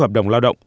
hợp đồng lao động